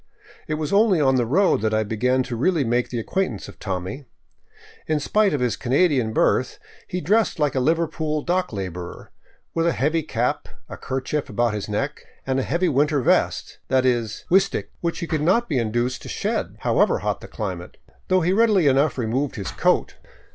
It was only on the road that I began really to make the acquaintance of Tommy. In spite of his Canadian birth he dressed like a Liverpool dock laborer, with a heavy cap, a kerchief about his neck, and a heavy winter vest — that is, " w'stc't "— which he could not be induced to shed, however hot the climate, though he readily enough removed his coat.